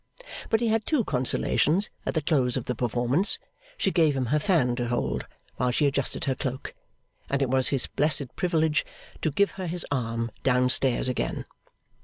But he had two consolations at the close of the performance. She gave him her fan to hold while she adjusted her cloak, and it was his blessed privilege to give her his arm down stairs again.